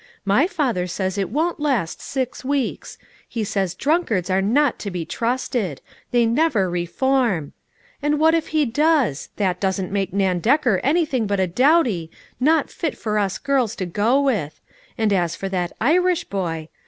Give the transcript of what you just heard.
My father says it won't last six weeks; he says drunkards are not to be trusted; they never reform. And what if he does? That doesn't make Nan Decker anything but a dowdy, not fit for us girls to go with ; and as for that Irish boy